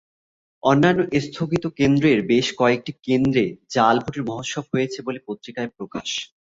অন্যান্য স্থগিত কেন্দ্রের বেশ কয়েকটি কেন্দ্রে জাল ভোটের মহোৎসব হয়েছে বলে পত্রিকায় প্রকাশ।